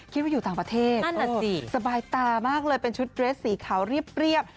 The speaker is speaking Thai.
คิดว่าอยู่ต่างประเทศสบายตามากเลยเป็นชุดเดรสสีขาวเรียบ